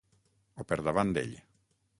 O per davant d'ell.